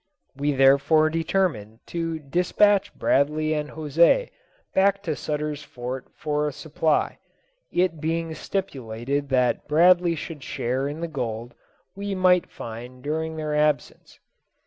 We therefore determined to dispatch Bradley and José back to Sutter's Fort for a supply, it being stipulated that Bradley should share in the gold we might find during their absence.